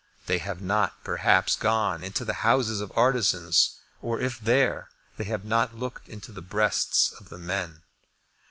They have not, perhaps, gone into the houses of artisans, or, if there, they have not looked into the breasts of the men.